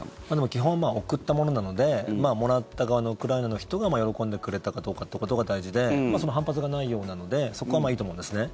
基本、贈ったものなのでもらった側のウクライナの人が喜んでくれたかどうかってことが大事で反発がないようなので、そこはまあいいと思うんですね。